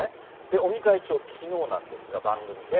尾身会長、きのうなんですが、番組で。